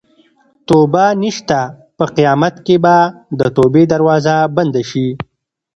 توبه نشته په قیامت کې به د توبې دروازه بنده شي.